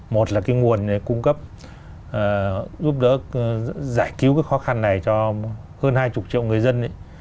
một là cái nguồn cung cấp giúp đỡ giải cứu cái khó khăn này cho hơn hai mươi triệu người dân